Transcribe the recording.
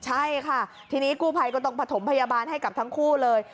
ใช่ค่ะทีนี้กู้ภัยก็ต้องผสมพยาบาลให้กับทั้งคู่เลย